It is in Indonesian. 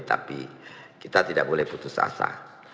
tapi kita tidak boleh putus asa